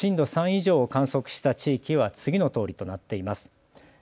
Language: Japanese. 震度３以上を観測した地域は次のとおりとなっています。